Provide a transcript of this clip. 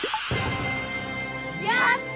やった！